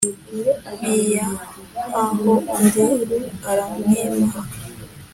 ntiyahaho undi aramwima